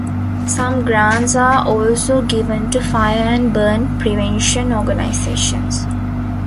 Some grants are also given to fire and burn prevention organizations.